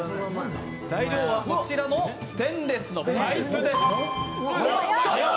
材料はこちらのステンレスのパイプです。